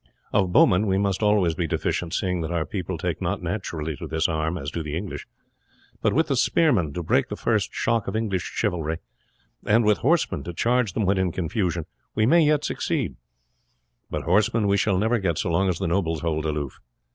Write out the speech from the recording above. Of bowmen we must always be deficient, seeing that our people take not naturally to this arm as do the English; but with spearmen to break the first shock of English chivalry, and with horsemen to charge them when in confusion, we may yet succeed, but horsemen we shall never get so long as the nobles hold aloof.